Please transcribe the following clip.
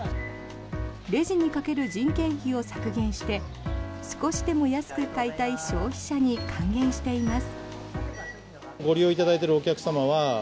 レジにかける人件費を削減して少しでも安く買いたい消費者に還元しています。